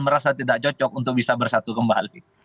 merasa tidak cocok untuk bisa bersatu kembali